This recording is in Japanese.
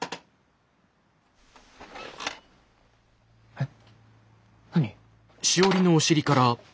えっ何？